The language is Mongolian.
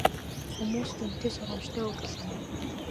Хүмүүст үнэтэй сургамжтай үг хэлнэ үү?